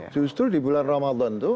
justru di bulan ramadan itu